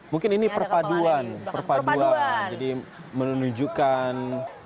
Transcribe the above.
mungkin ini perpaduan perpaduan jadi menunjukkan